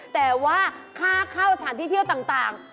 แต่ว่าค่าเข้าสถานที่เที่ยวต่าง